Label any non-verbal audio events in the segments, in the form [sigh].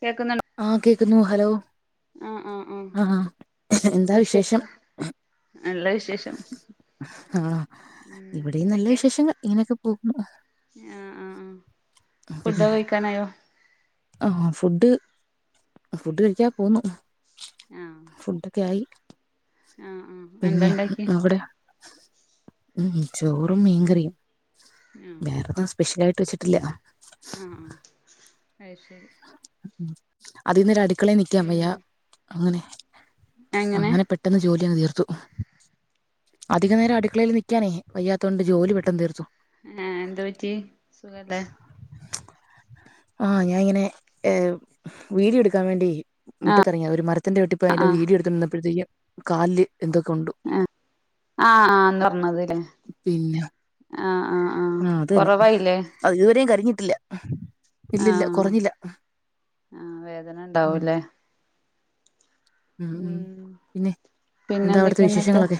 കേൾക്കുന്നുണ്ടോ? ആ കേക്കുന്നു ഹലോ ആഹ് ആഹ് ആഹ് എന്താ വിശേഷം നല്ല വിശേഷം ആ ഉം ഇവിടെയും നല്ല വിശേഷങ്ങൾ ഇങ്ങനെയൊക്കെ പോകുന്നു ആ ആ ആ ഫുഡ്‌ ഒക്കെ കഴിക്കാനായോ? ആ ഫുഡ് ഫുഡ് കഴിക്കാ പോവുന്നു ആഹ് ഫുഡൊക്കെ ആയി ആഹ് ആഹ് എന്താ പിന്നെയാ ഇണ്ടാക്കിയെ നോക്കട്ടെ ഉം ചോറും മീൻകറിയും ആഹ് വേറെത്താ സ്പെഷ്യലായിട്ട് വെച്ചിട്ടില്ല ആ ആ അത് ശരി അധികനേരം അടുക്കളയിൽ നിക്കാൻ വയ്യ പിന്നെ അങ്ങനെ എങ്ങനെ അങ്ങനെ പെട് ട്ടെന്ന് ജോലിയങ്ങ് തീർത്തു അധിക നേരം അടുക്കളയിൽ നിൽക്കാനേയ് വയ്യാതൊണ്ട് ജോലി പെട്ടെന്ന് തീർത്തു ഏ എന്തുപറ്റി സുഖല്ലേ? ആ ഞ്ഞാ ഇങ്ങനെ ഏ വീഡിയോ എടുക്കാൻ വേണ്ടി ആഹ് മുറ്റ്ത്തെറങ്ങിയ ഒരു മരത് ത്തിന്റെ ചോട്ടിപ്പോയ് അയ്ന്റെ ആഹ് വീഡിയോ എട്തോണ്ട് ന്നപ്പഴത്തേക്കും കാൽല് എന്തോ കൊണ്ടു ആ ആ അന്ന് പർഞ്ഞത് ലേ പിന്നെ ആ അത് തന്നെ കൊറവായില്ലേ അത് ഇതുവരും കരിഞ്ഞിട്ടില്ല ഇല്ല ഇല്ല കുറഞ്ഞില്ല ആ ഉം വേധനണ്ടാവൂല്ലേ ഉം ഉം പിന്നെ എന്താ അവ്ടത്തെ വിശേഷങ്ങളൊക്കെ?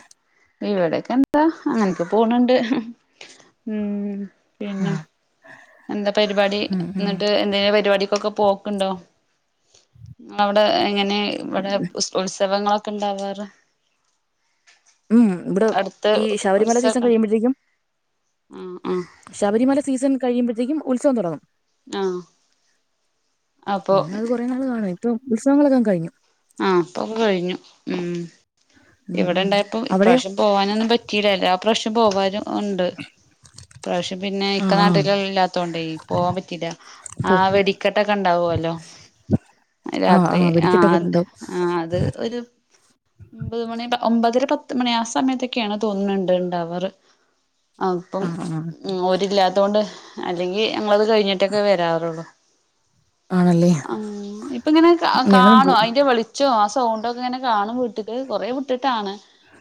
ഇവടെക്കെന്താ അങ്ങനൊക്കെ പോണ് ണ്ട് ഉം പിന്നെ എന്താ പരിപാടി ഉം ഉം ന്ന്ട്ട് എ ന്തേ പരിപാടിക്കൊക്കെ പോക്ക്ണ്ടോ ഇങ്ങളവടെ എങ്ങനെ ഇവടെ സ്‌ക്കൂൾത്സവങ്ങളൊക്കെ ണ്ടാവാറ്. ഉം ഇബടെ ഈ ശബരിമല സീസൺ ഉത്സവൊക്കെണ്ട് കഴിയുമ്പഴത്തേക്കും ആ ആ ശബരിമല സീസൺ കഴിയുമ്പഴത്തേക്കും ഉത്സവം തൊടങ്ങും ആഹ് അപ്പൊ [unintelligible] കാണും ഇപ്പം ഉത്സവങ്ങളൊക്കെ കഴിഞ്ഞു. ആഹ് ഇപ്പൊക്കെ കഴിഞ്ഞു ഉം ഉം ഇവടെ ഉം ണ്ടായപ്പോ അവിടെയോ ഇപ്രാവശ്യം പോവാനൊന്നും പറ്റീല എല്ലാ പ്രാവശ്യം പോവാനും ഉണ്ട് ഇപ്രാവ്ശ്യം പിന്നെ ആ ഇക്ക ആ നാട്ട്ലില്ലാത്തോണ്ടേ പോവാം പറ്റീല. പോ ആഹ് വെടിക്കെട്ടൊക്കെ ണ്ടാവോലോ ആ ആ രാത്രി വെടിക്കെട്ടൊക്കെ ആഹ് ഉണ്ടാവും ആഹ് അത് ഒര് ഒമ്പത് മണി പ ഒമ്പതര, പത്ത് മണി ആ സമയത്തൊക്കേണ് തോന്ന്ണ് ണ്ട് ഇണ്ടാവാറ്. അപ്പം ആ ആ ഉം ഓരില്ലാത്തോണ്ട് അല്ലെങ്കി ഞങ്ങളത് കഴിഞ്ഞിട്ടൊക്കെ വെരാറൊള്ളു ആണല്ലേ ഉം ഇപ്പങ്ങനെ ഞങ്ങളും അകാണോ പോവും അയ്ന്റെ വെളിച്ചോം ആ സോണ്ടൊക്കെങ്ങനെ കാണും വീട്ട്ക്ക് കൊറേ വ്ട്ട്ട്ടാണ്.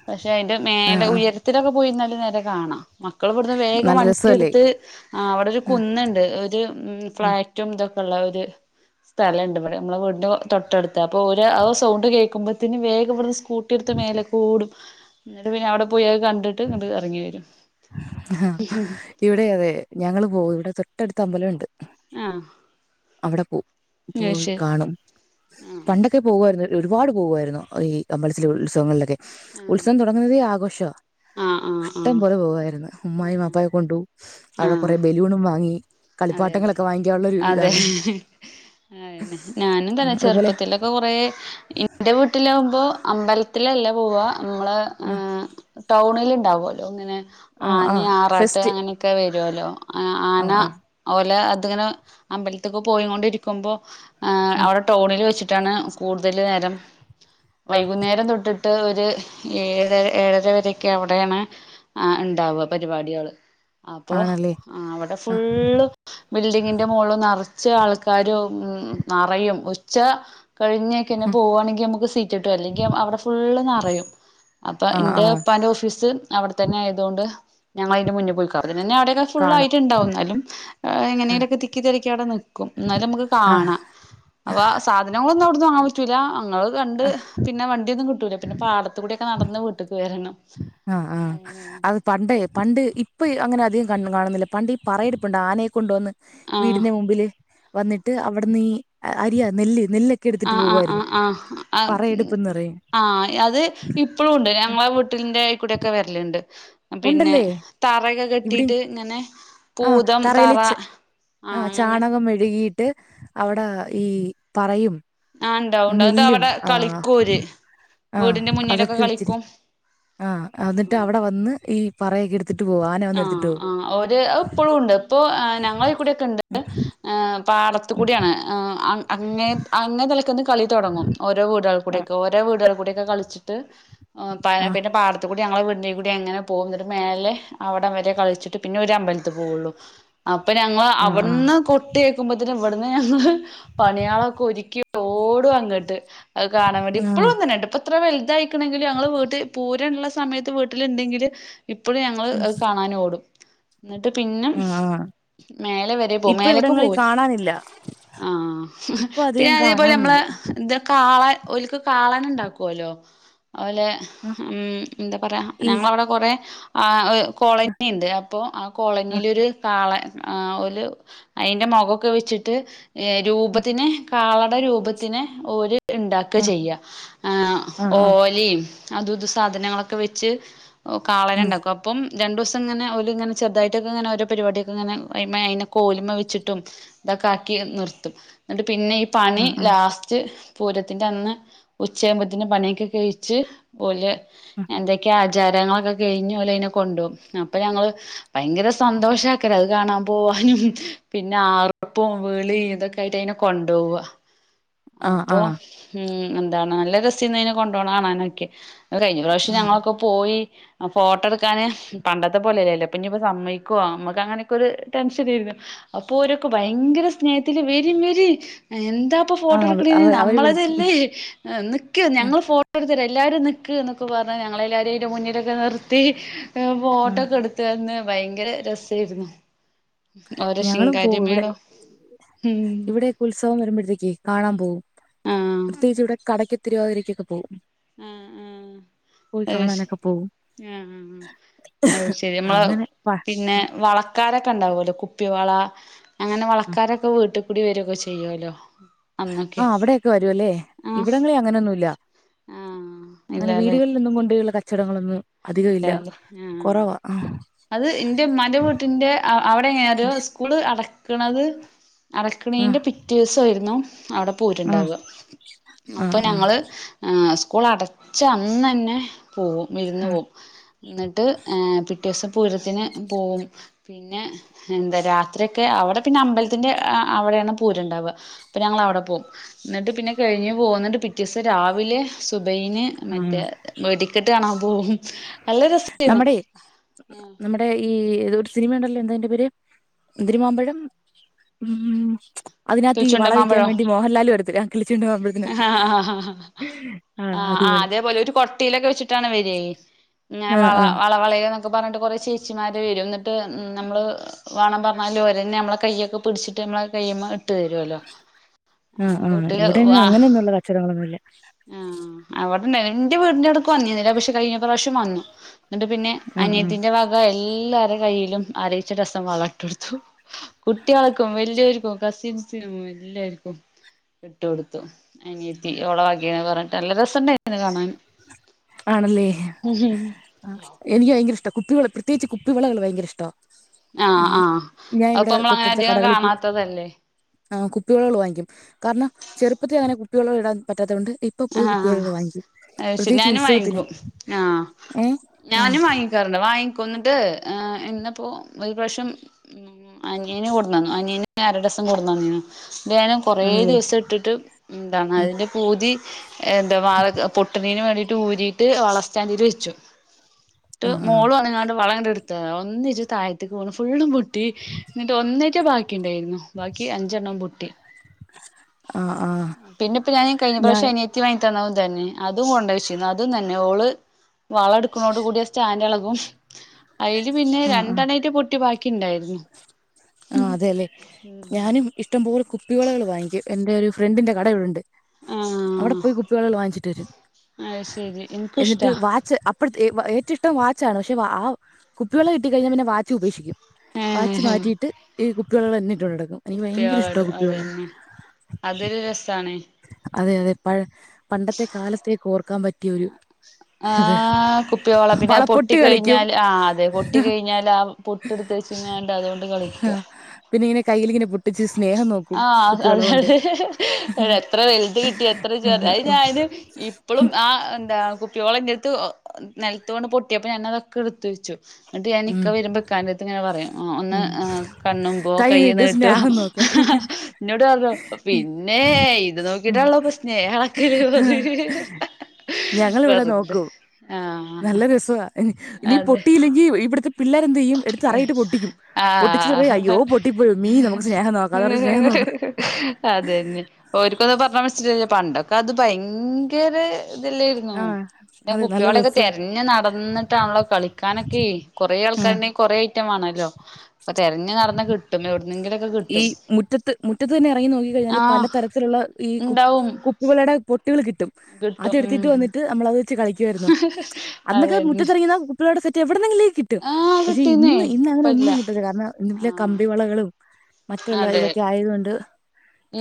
പക്ഷെ അയ്ന്റെ ആ മേലെ ആ ഉയരത്തിലൊക്കെ പോയി ന്നാല് നേരെ കാണാ മക്കള് വ്ട്ന്ന് വേഗം നല്ല രസല്ലേ വണ്ടിട്ത്ത് ആഹ് വടെ ഒര് ആ കുന്ന്ണ്ട് ഒര് ഉം ഫ്ളാറ്റും തൊക്കെള്ള ഒര് സ്ഥലണ്ട് വടെ മ്മളെ വീടിന്റെ തൊട്ടട് ത്താ പ്പൊ ഓരാ ആ സൗണ്ട് കേക്കുമ്പോത്തിന് വേഗം വ്ട്ന്ന് സ്കൂട്ടി ട്ത്ത് മേലേക്കോടും ന്ന്ട്ട് പിന്നെ അവടെ പോയി അത് കണ്ട്ട്ട് ഇങ്ങട്ട് എറങ്ങി വെരും. ഇവടെ അതെ ഞങ്ങള് പോവും ഇവടെ തൊട്ടട്ത്ത് അമ്പലണ്ട്. ആഹ് അവടെ പോവും പോയി കാണും ആ പണ്ടൊക്കെ പോവാര്ന്നു ഒരുപാട് പോവാര്ന്നു ഈ അമ്പലത്തില് ഉത്സവങ്ങളിലെക്കെ ഉത്സവം തൊടങ്ങുന്നതേ ആഘോഷാ ആ ആ ആ ഇഷ്ട്ടം പോലെ പോവാര്ന്ന് ഉമ്മായും വാപ്പായും കൊണ്ടോവും ആ അവടെ ആ കൊറേ ബെലൂണും വാങ്ങി. അതെ യതെ കളിപ്പാട്ടങ്ങളൊക്കെ വാങ്ങിക്കാനുള്ള ഒരു അതെ ഇതാണ് അയെന്നെ ഞാനും തന്നെ അതുപോലെ ചെർപ്പത്തിലൊ [unintelligible] കൊറേ ഇന്റെ വീട്ടിലാവ്മ്പോ അമ്പലത്തിലല്ല പോവ അമ്മളെ ആ ഏഹ് ടൗണില് ണ്ടാവോലോ ഇങ്ങനെ ആ ആ ആനീ ആറാട്ട് ഫെസ്റ്റ് അങ്ങനെക്കെ വെരോലോ ആ ആന അത് പോലെ അത്ങ്ങനെ അമ്പൽത്ത്ക്ക് പോയീക്കൊണ്ടിരിക്ക്മ്പോ ഏഹ് ആ അവടെ ട്ടൗണില് വെച്ച്ട്ടാണ് കൂട്തല് നേരം വൈകുന്നേരം തൊട്ട്ട്ട് ഒര് ഏഴ് ഏഴര വരെക്കെ അവടേണ് ആഹ് ഇണ്ടാവാ പരിപാട്യേള് അപ്പൊ ആണല്ലേ ആഹ് അവടെ ആ ഫുള്ളു ബിൽഡിങ്ങിന്റെ മോൾള് നറച്ച് ആൾക്കാരും ഉം നറയും ഉച്ച കഴിഞ്ഞേക്കെന്നെ ആ പോവാണെങ്കി ഞമ്മക്ക് സീറ്റ്ട്ടും അല്ലെങ്കി അവടെ ഫുള്ള് നറയും. അപ്പൊ ആ ആ ഇന്റെ ഇപ്പാന്റെ ഓഫീസ് അവടെ തെന്നായ തോണ്ട് ഞങ്ങളയ്ന്റെ മുന്നിപോയിക്കും അപ്പ തെന്നെ അവടൊരു കാണും ഫുള്ളായ്ട്ട്ണ്ടാവും ന്നാലും ഏഹ് എങ്ങനെലൊക്കെ തിക്കി തെരക്കി അവടെ ന്ക്കും ന്നാലും അമ്മക്ക് ആ കാണാ അപ്പ സാധനങ്ങളൊന്നും അവ്ട്ന്ന് വാങ്ങാം പറ്റൂല്ല അങ്ങള് കണ്ട് ആ പിന്നെ വണ്ട്യൊന്നും ക് ട്ടൂല പിന്നെ പാടത്ത് കൂട്യൊക്കെ നടന്ന് വീട്ട്ക്ക് വെരണം ആഹ് ആഹ് [unintelligible] പണ്ടേ പണ്ട് ഇപ്പം ഇ അങ്ങനെ അധികം കൺ കാണുന്നില്ല പണ്ട് ഈ പറയെടുപ്പുണ്ട് ആനയെ കൊണ്ടുവന്ന് ആഹ് വീടിന്റെ മുമ്പില് വന്നിട്ട് അവിടന്നീ അരിയാ നെല്ല് നെല്ല ക്കെ എട്ത്തിട്ട് ആഹ് ആഹ് പോവാര്ന്നു ആഹ് ആഹ് ആഹ് പറയെടുപ്പെന്നു പറയും ആഹ് അത് ഇപ്പളുവുണ്ട് ഞങ്ങളെ വീട്ട്ന്റെ ഐക്കൂടെക്കെ വെര്ല്ണ്ട് പിന്നെ ഉണ്ടല്ലേ തറെക്കെ കെട്ടീട്ട് ങ്ങനെ ആഹ് തറേല് ച ആഹ് അങ്ങനെ ചാണകം മെഴ്കീട്ട് അവടെ ഈ പറയും ആഹ് ഇണ്ടാവും ഇണ്ടാവും ന്നിട്ട് നെല്ലും അവിടെ ആഹ് കളിക്കോര് അഹ് വീടിന്റെ മുന്നിലൊക്കെ അതൊക്കെ വെച്ചിരി കളിക്കും ആഹ് അന്നിട്ട് അവടെ വന്ന് ഈ പറയക്കെട് ത്തിട്ട് പോവാ ആഹ് ആഹ് ഓര് അഹ്പ്പളും ണ്ട് പ്പൊ ഞങ്ങളയ്കൂടൊക്കെ ഇണ്ട് ആഹ് ഉം പാടത്തുകൂടിയാണ് ആഹ് അങ്ങെ അങ്ങെ തലക്കന്ന് കളി തൊടങ്ങും ഓരോ വീടുകൾ ആ കൂടിയൊക്കെ ഓരോ വീടുകൾ കൂടിയൊക്കെ കളിച്ചിട്ട് ആഹ് പാ ആ പിന്നെ പാട ത്തു കൂടി ങ്ങളെ വീട്ന്റെയി കൂടി അങ്ങനെ പോകും ന്ന്ട്ട് മേലെ അവടം വരെ കളിച്ചിട്ട് പിന്നെ അവര് അമ്പലത്തി പോവുള്ളു അപ്പൊ ഞങ്ങളെ ആ ആ അവട്ന്ന് കൊട്ട് കേക്കുമ്പോത്തിന് ഇവിടുന്ന് ഞങ്ങള് പണിയാളൊക്കെ ഒരിക്കി ഓടും അങ്ങട്ട് അത് കാണാൻ വേണ്ടി ആ പ്പളും അങ്ങനേട്ടൊ പ്പൊ എത്ര വല്തായിക്കണെങ്കിലു ഞങ്ങള് വീട്ടി പൂരള്ള സമയത്ത് വീട്ട്ല്ണ്ടെങ്കില് ഇപ്പഴും ഞങ്ങള് ഉം. അഹ് കാണാനോടും ന്നിട്ട് പിന്നെ ആ ആ മേലെ വരെ പോം ഇപ്പൊ മേലക്ക് ഇവിടങ്ങളിൽ പോവില്ല കാണാനില്ല ആഹ് ഇപ്പൊ പിന്നെ അധികം അതേപോലെ മ്മള് കാണാനില്ല ന്താ കാളെ ഓല്ക്ക് കാളനെണ്ടാക്കുവല്ലോ ഓലെ ആ ഉം ന്താ പറയാ ഈ ഞങ്ങളവിടെ കൊറെ ആഹ് ആ കോളനിയിണ്ട് അപ്പോ ആ ആ കോളനിലൊര് കാളെ ആഹ് ഓല് അയിന്റെ മൊഖൊക്കെ വെച്ചിട്ട് ആ രൂപത്തിന് കാളട രൂപ ത്തിന് ഓല് ഇണ്ടാക്ക ആ ചെയ്യ ആ ആ ഓലിം അതും ഇതും സാധനങ്ങളൊക്കെ വെച്ച് ഒ ഉം കാളനെണ്ടാക്കും അപ്പം രണ്ടൂസംങ്ങനെ ഓല്ങ്ങെനെ ചെർതായിട്ടൊക്കെ ഇങ്ങനെ ഓരോ പരിപാടിയക്കെങ്ങനെ അയ്മെ അയിനെ കോല്മ്മെ വെച്ചിട്ടും ഇതൊക്കെ ആക്കി നിർത്തും ന്നിട്ട് പിന്നെ ഈ ആ പണി ആ ലാസ്റ്റ് പൂരത്തിന്റെ അന്ന് ഉച്ചയാമ്പോത്തിന് പണിയൊക്കെ കഴിച്ചു ഓല് ഉം, എന്തൊക്കെ ആ ചാരങ്ങളൊക്കെ കഴിഞ്ഞ് ഓലയ്നെ കൊണ്ട്പോം അപ്പൊ ഞങ്ങള് ഭയങ്കര സന്തോഷാക്കരെ അത് കാണാൻ പോവാനും പിന്നെ ആർപ്പും വിളിം ഇതൊക് ക്കായിട്ടയ്നെ കൊണ്ടൂവ [inaudible] അപ്പൊ ആ ഉം എന്താണ് നല്ല രസേന്നു അയ്നെ കൊണ്ടോണ കാണാനൊക്കെ അഹ് കഴിഞ്ഞ ആ പ്രാവശ്യം ഞങ്ങളൊക്കെ പോയി അ ഫോട്ടെട് ക്കാന് ഉം പണ്ടത്തെ പോലെല്ലല്ലോ പ്പോ ഞ്ഞിപ്പോ സമ്മയ്ക്കൊ അമ്മക്കങ്ങനൊക്കൊര് ടെൻഷനേര്ന്നു അപ്പോരൊക്കെ ഭയങ്കര സ്നേഹത്തില് വെരിം വെരിം എന്താ ഇപ്പൊ ആ അവ ഫോട്ടോഎട്ക്കണെയ്‌ന് അവ- അവര് വിളിക്കും നമ്മളതല്ലേ നിക്ക് ആ ഞങ്ങള് ഫോ ട്ടോ എടുത്തരാ എല്ലാരും നിക്ക്ന്നൊക്കെ പർഞ്ഞ ഞങ്ങള എല്ലാരേം അയ്ന്റെ മുന്നിലൊക്കെ നിർത്തി ആ ഫോട്ടോക്കെ എടു ത്തന്നു ഭയങ്കര രസേരുന്നു ഓരെ ഞങ്ങളും ശിങ്കാരി പോവും മേളം ഇവിടെ ഉം ഇവിടെയൊക്കെ ഉത്സവം വരുമ്പോഴത്തേക്കെ കാണാൻ പോകും ആഹ് പ്രത്യേകിച്ച് ഇവിടെ കടയ്ക്ക് തിരുവാതിരക്കൊക്കെ പോകും ആഹ് ആഹ് പോയി അയ്ശെ കാണാനൊക്കെ പോകും ആഹ് ആഹ് ആഹ് അയ്ശരി നമ്മള അങ്ങനെ പ പിന്നെ ആ വള ക്കാരൊക്കെ ണ്ടാവുല്ലോ കുപ്പി വള അങ്ങനെ ആ. വളക്കാരൊക്കെ വീട്ട് കൂടി വരൊക്കെ ചെയ്യോല്ലോ ആഹ് അവിടെയോക്കെ വരു ല്ലേ ഇവിടങ്ങളെ അങ്ങനൊന്നുംല്ല ആഹ് ങ്ങനെ ഇല്ലാല്ലേ വീടുകളിൽ നിന്നും കൊണ്ട്ള്ള കച്ചടങ്ങളൊന്നും അധിക ഇല്ല ഇല്ലാല്ലേ ആഹ് കുറവാ ആഹ് അത് ഇന്റെ മ്മാന്റെ വീട്ട്ന്റെ അവിടെങ്ങനെ ഒരു സ്കൂള് അടക്ക്ണത് ആ അടക്ണെന്റെ പിറ്റേസായിരുന്നു അവിടെ ആ പോയിട്ട്ണ്ടാവ ആ അപ്പൊ ആ ഞങ്ങള് ആഹ് സ്കൂളടച്ച അന്നന്നെ പോവും വിര്ന്ന് ആ പോവും ന്നിട്ട് ഏഹ് പിറ്റേസം പൂരത്തിന് പോവും പിന്നെ എന്ത രാത്രിയൊക്കെ അവിടെ പിന്നെ അമ്പൽത്തിന്റെ അവിടെണ് പൂരണ്ടാവ അപ്പൊ ഞങ്ങളവ്ടെ പോഉം ന്നിട്ട് പിന്നെ കഴിഞ്ഞ് പോന്നിട്ട് പിറ്റേസം രാവിലെ സുബൈന് ആ മറ്റേ വെടിക്കെട്ട് കാണാൻ പോകും നല്ല രസേയിര്ന്നു നമ്മ ഈ ഒരു സിനിമ ഉണ്ടല്ലോ എന്തയ്ന്റെ പേര് എന്തോര്മാമ്പഴം അതിനകത്ത് ഈ വള വിൽക്കാൻ തുളിച്ചുണ്ടമാമ്പഴോ വേണ്ടി മോഹൻലാല് വരത്തില്ല ആഹ് കിളിച്ചുണ്ടൻ മാമ്പഴതിനകത്തു ആഹ് ആഹ് അതേപലെ ഒരു കൊട്ടയിലൊക്കെ വെച്ചിട്ടാണ് വരി ഇങ്ങനെ ആ വള ആ വളവള ഒക്കെ പറഞ്ഞിട്ട് കുറേ ചേച്ചിമാർ വരും എന്നിട്ട് നമ്മൾ വേണം പറഞ്ഞാല് ഓരന്നെ ഞമ്മള കയൊക്കെ പിടിച്ചിട്ട് നമ്മള കൈ്യമ്മ ഇട്ട് തരുല്ലോ ആ ആഹ് ആ വീട്ടില് ഇവിടെങ്ങും വാ അങ്ങനെയൊന്നുള്ള കച്ചവടങ്ങളൊന്നുമില്ല ആഹ് അവിടെ എന്റെ വീടിന്റെറെ അടക്ക് വന്നീന്ന്ല്ല പക്ഷെ കഴഞ്ഞ പ്രാവശം വന്നു എന്നിട്ട് പിന്നെ ആ ആ അനിയത്തിന്റെ ഭാ എല്ലാരെ കയ്യിലും അരെച്ച ടസം വളട്ടെടുത്തു കുട്ടികൾക്കും വല്യോൽക്കും കസിൻസിനും എ ല്ലരിക്കും ഇട്ട് കൊടുത്തു അനിയത്തി ഓളവഗയാ പറഞ്ഞിട്ട് നല്ല രസംണ്ടായി കാണാൻ ആണല്ലേ എനിക്ക് ഭയങ്കര ഇഷ്ട കുപ്പി വള പ്രത്യേകിച്ച് കുപ്പി വളകൾ ഭയങ്കര ഇഷ്ടം ആഹ് ആഹ് ഞാൻ ഇവിടെ അതിപ്പോ നമ്മള് അങ്ങനെ തൊട്ടടുത്ത അധികം കടകളി പോ കാണാത്തതല്ലേ ആഹ് കുപ്പികളുകൾ വാങ്ങിക്കും കാരണം ചെറുപ്പത്തിൽ അങ്ങനെ കുപ്പികളകൾ ഇടാൻ പറ്റാത്തത് കൊണ്ട് ഇപ്പ പോയി ആഹ് കുപ്പികളകൾ വാങ്ങിക്കു അത് പ്ര ശരി ഞാനും വാങ്ങിക്കും ആഹ് ആ ഞാനും വാങ്ങിക്കും വാങ്ങിക്കാറുണ്ട് വാങ്ങിക്കന്നിട്ട് ന്നപ്പോ ഒരു പ്രവശ്യം ഉം അനിയന് കൊടുന്നന്നു അനിയന്അര ടസം കൊടുന്നന്നീന്നു ന്നിട് ഞാൻ കൊറെേ ആണല്ലേ ദിവസം ഇട്ടിട്ട് എന്താണ് ആ അതിന്റെ പൂതി എന്താ മാ പൊട്ടണിന് വേണ്ടിട്ട് ഊരിയിട്ട് വള സ്റ്റാൻഡൽ വെച്ചു ട്ട് ആ ആ മോള വന്നുങ്ങാണ്ട് വളങ്ങട്ട് എടുത്തത ഒന്നിച്ച് താഴ്തക്ക് വീണ് ഫുള്ളും പൊട്ടി ട്ടി എന്നിട്ട് ഒന്നേറ്റ ബാക്കി ഉണ്ടായിരുന്നു ബാക്കി അഞ്ചെണ്ണം പൊട്ടി ആഹ് ആഹ് പിന്നെപ്പൊ ഞാൻ ഈ കഴി ഞ്ഞ ത്തി വാങ്ങിത്തന്നതും തന്നെ അതും കൊണ്ടചീന്ന് അതും തന്നെ ഓള് വള എടുക്കുന്നോടു കൂടിയ സ്റ്റാൻഡ് ഇളകും അയ്ല് പിന്നെ രണ്ടെണയിറ്റ പൊട്ടി ബാക്കി ഉണ്ടായിരുന്നു ആഹ് അതെല്ലെ ഞാനും ഇഷ്ടംപോലെ കുപ്പിവളകള് വാങ്ങിക്കും എൻന്റെറെ ഒരു ഫ്രണ്ടിന്റെ കടഇവിടെ ണ്ട് അവിടെ ആഹ് പോയി കുപ്പികളൾ വാങ്ങിച്ചിട്ട് വരും അത് ശരി ഇൻക്കും എന്നിട്ട് ഇഷ്ടാ വാച്ച അപ്പോ ഏവും ഇഷ്ടം വാച്ചായ്ർന്ന് പക്ഷേ ആ കുപ്പിവള കിട്ടിക്കഴിഞ്ഞാൽ പിന്നെ വാച്ച് ഉപേക്ഷിക്കും വാച്ച് ഏഹ് മാറ്റിയിട്ട് ഈ കുപ്പിവളകൾതന്നെ ഇട്ട് നടക്കും എനിക്ക് ഭയങ്കര കുപ്പിവള ഇഷ്ടമാണ് ഇടും കുപ്പിവെള്ളം അതന്നെ അതൊരു രസണ് അതെ അതെ പഴെ പണ്ടത്തെ കാലത്തേക്ക് ഓർക്കാൻ പറ്റിയൊരു ആഹ് കുപ്പ വള പിന്നെ അത് പൊട്ടി വളപ്പൊട്ട് കളിക്കും കഴിഞ്ഞാല് ആഹ് അതെ പൊട്ടിക്കഴിഞ്ഞാല് ആ പൊ ട്ട് എട്ത്തെച്ചുങ്ങാണ്ട് അതൊണ്ട് ആഹ് പിന്നെ ഇങ്ങനെ കയ്യിലിങ്ങനെ പൊട്ടിച്ച് സ്നേഹം നോക്കും ആഹ് അതെ കുപ്പിവെള്ളം കൊണ്ട് അതെ എത്ര വലുത് കിട്ടി എത്ര ചെറുത് കിട്ടി അത് ഞാനും ഇപ് ഇപ്പളും ആ എന്താ കുപ്പിവള ഇന്റടുത്ത് നിലത്ത് വീണ് പൊട്ടിയപ്പോം ഞാനതൊക്കെ എടുത്ത് വെച്ചു എന്നിട്ട് ഞാന് ഉം, ഇക്ക വരുമ്പോ ഇക്കാന്റെ അടുത്ത് ഇങ്ങനെ പറയും ഒന്ന് ഉം. കണ്ണുമ്പോ കൈ നീട്ടും നീട്ടോ സ്നേഹം നോക്കാൻ ഇന്നോട് പറഞ്ഞു പിന്നെ ഇത് നോക്കിട്ടാണല്ലോ ഇപ്പൊ സ്നേഹ അളക് ഞങ്ങളിവിടെ വെറുതെ നോക്കും ആഹ് നല്ല രസവാ ഇനി അതെ പൊട്ടിയില്ലെങ്കി ഇവിടത്തെ പിള്ളേർ എന്ത്‌ ചെയ്യും എടുത്ത് തറയേൽട്ട് പൊട്ടിക്കും പൊട്ടിചിട്ട് പറയും അയ്യോ ആഹ് പൊട്ടി പ്പോയി മമ്മീ നമുക്ക് സ്നേഹ നോക്കാം പറഞ്ഞു സ്നേഹം നോക്കും അതന്നെ ഓൽക്കൊന്നു പറഞ്ഞാ മനസിലാവൂല്ല പണ്ടൊക്കെ അത് ഭയങ്കര ഇതെല്ലേരുന്നു ആഹ് പിന്ന അതെ നല്ല കുപ്പിവളൊക്കെ രസവാ തെരഞ്ഞു നടന്നിട്ടാണല്ലോ കളിക്കാനൊക്കെ കുറേ ആൾ ആഹ് കുറേ ഐറ്റം വാണല്ലോ അപ്പ തെരഞ് നടന്ന് കി ഈ മുറ്റത്ത് മുറ്റത്ത് തന്നെ ഇറങ്ങി നോക്കി കഴിഞ്ഞാൽ ആഹ് പലതരത്തിലുള്ള ഈ കു ഇണ്ടാവും കുപ്പിവളകളുടെ പൊട്ടികൾ കിട്ടും. കിട്ടും അതെടുത്തിട്ട് ഉം വന്നിട്ട് നമ്മൾ അത് വെച്ച് കളിക്കുമായിരുന്നു. അന്നൊക്കെ അതന്നെ മുറ്റത്തിറങ്ങി നടന്നാൽ കുപ്പി വളയുടെ സെറ്റ് എവിടന്നെങ്കിലും കിട്ടും കിട്ടും ആഹ് പക്ഷെ കിട്ടീന്നേ ഇന്ന് ഇന്ന് അങ്ങനെ ഇപ്പല്ല ഒന്നും കിട്ടില്ല കാരണം ഇന്നില്ലേ ആഹ് കമ്പി വളകളും മറ്റുള്ള അതെ ഇതൊക്കെ ആയതു കൊണ്ട്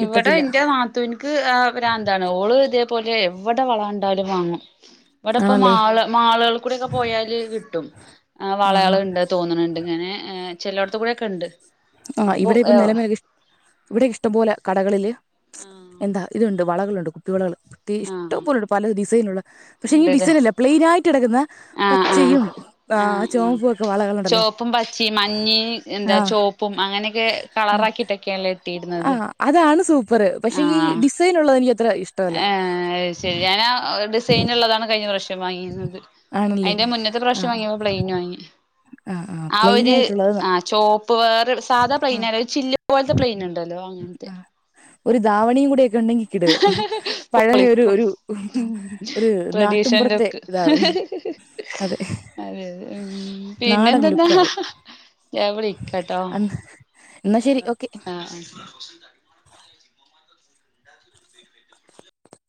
ഇവിടെ ഇന്റെ നാ ത്തൂൻക്ക് ഭ്രാന്താണ്. ഓള് ഇതേപോലെ എവിടെ വള കണ്ടാലും വാങ്ങും. ഇവിടെ ഇപ്പം ആണല്ലേ മാള്, മാളുകൾ കൂടെ പോയാല് കിട്ടും. ആ വളകള്ണ്ട് തോന്ന്‌ണ് ണ്ട് ഇങ്ങനെ ഏഹ് ചെലയിടത്ത് കൂടൊക്കെ ഉണ്ട് ആ അപ്പൊ ഇവിടെ ഇപ്പം നിലമേൽ ഇവിടെ ഇഷ്ടം പോലെ കടകളില് ആഹ് എന്താ ഇത്ണ്ട് വളകളുണ്ട് കുപ്പിവളകള്. ഇഷ്ടം ആഹ് പോലെയുണ്ട് പല ഡിസൈനുള്ള പക്ഷെ ഈ ഇണ്ട്ല്ലേ ഡിസൈനില്ലേ പ്ലെയിൻ ആയിട്ട് കിടക്കുന്ന ആഹ് ആഹ് പച്ചയും ആ ചുവപ്പൊക്കെ വളകളുണ്ടല്ലോ. ച്ചിം മഞ്ഞ എന്താ ആ ചോപ്പും അങ്ങനെയൊക്കെ കളറാക്കിയിട്ടൊക്കെയാ ഇടല് ആഹ് അതാണ് സൂപ്പർ പക്ഷെങ്കിൽ ആഹ് ഡിസൈൻ ഉള്ളത് എനിക്ക് അത്ര ഇഷ് ഏഹ് അഹ് ശരി ഞാനാ ഡിസൈൻ ഉള്ളതാണ് കഴിഞ്ഞ പ്രാവിശ്യം വാങ്ങീന്നത് ആണല്ലേ അതിന്റെ മുന്നത്തെ ആ പ്രാവശ്യം വാങ്ങിയപോ പ്ലെയിൻ വാങ്ങി. ആ ആ ആഹ് പ്ലെയിൻ ഒര് ആയിട്ടുള്ളത് ന- ആഹ് ചോപ്പ് വേറെ സാധാ പ്ലെയിൻ അല്ല. ഒരു ചില്ല് പോലത്തെ പ്ലെയിൻ ഇണ്ടല്ലോ. ആഹ് ഒരു ദാവണിയും കൂടൊക്കെ ഉണ്ടെങ്കിൽ കിടിൽ പഴയൊരു പൊളിക്കും ഒരു, ഒരു ട്രഡീഷൻ നാട്ടിൻപുറത്തെ ലുക്ക് ഇതാവും. അതെ അതെ അതെ ഉം പിന്നെ നാടൻ എന്തന്നാ ലുക്കാവും. ഞാൻ വിളിക്കട്ടോ എന്നാ ശരി ആഹ് ഓക്കെ. ആഹ് ആഹ്